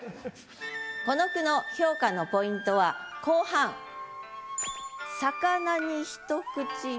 この句の評価のポイントは後半「肴に一口目」